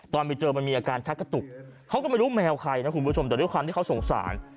ตอนไปเจอมันมีอาการชักกระตุกเขาก็ไม่รู้แมวใครนะคุณผู้ชมแต่ด้วยความที่เขาสงสาร